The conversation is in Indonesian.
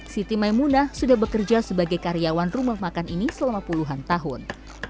siti maimunah sudah bekerja sebagai karyawan rumah makan ini selama puluhan tahun